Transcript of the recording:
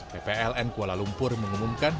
ppln kuala lumpur mengumumkan